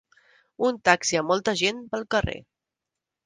Un taxi amb molta gent pel carrer.